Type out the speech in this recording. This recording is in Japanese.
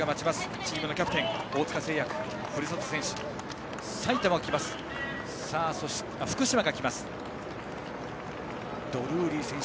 チームのキャプテン、大塚製薬ふるさと選手。